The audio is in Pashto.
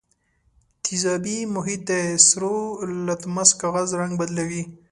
تیزابي محیط د سرو لتمس کاغذ رنګ بدلوي.